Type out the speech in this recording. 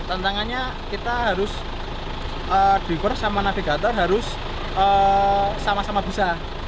tantangannya kita harus dekor sama navigator harus sama sama bisa